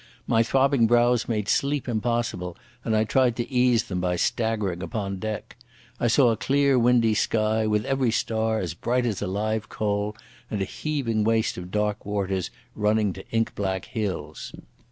My throbbing brows made sleep impossible, and I tried to ease them by staggering upon deck. I saw a clear windy sky, with every star as bright as a live coal, and a heaving waste of dark waters running to ink black hills.